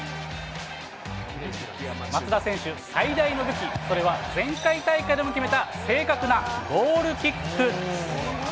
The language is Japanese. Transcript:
松田選手、最大の武器、それは前回大会でも決めた正確なゴールキック。